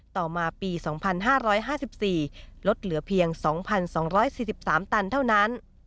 ต่อมาปี๒๕๕๔ลดเหลือเพียง๒๒๔๓ตันเท่านั้น